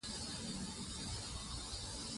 هرات د افغانستان د چاپیریال ساتنې لپاره مهم دي.